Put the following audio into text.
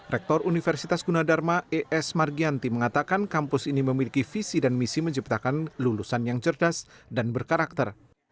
rektor universitas gunadharma es margianti mengatakan kampus ini memiliki visi dan misi menciptakan lulusan yang cerdas dan berkarakter